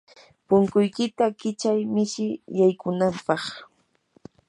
punkuykita kichay mishi yaykunapaq.